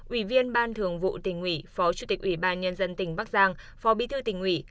ủy viên ban thường vụ tỉnh ủy phó chủ tịch ủy ban nhân dân tỉnh bắc giang phó bí thư tỉnh ủy